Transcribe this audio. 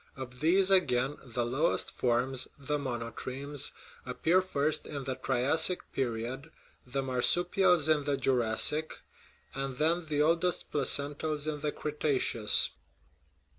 Of these, again, the lowest forms, the monotremes, appear first in the Triassic period, the marsupials in the Jurassic, and then the oldest placentals in the Cretaceous.